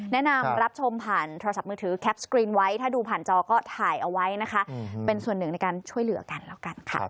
แนะนำรับชมผ่านโทรศัพท์มือถือแคปสกรีนไว้ถ้าดูผ่านจอก็ถ่ายเอาไว้นะคะเป็นส่วนหนึ่งในการช่วยเหลือกันแล้วกันค่ะ